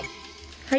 はい。